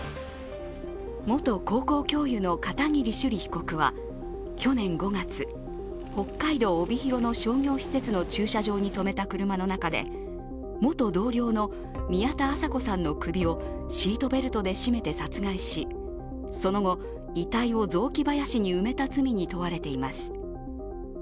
元高校教諭の片桐朱璃被告は去年５月、北海道・帯広の商業施設の駐車場に止めた車の中で元同僚の宮田麻子さんの首をシートベルトで絞めて殺害し、その後、遺体を雑木林に埋めた罪に問われています。